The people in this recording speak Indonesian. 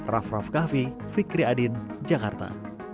raff raff kahvi fikri adin jakarta